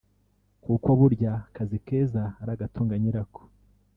kuko burya akazi keza ari agatunga nyira ko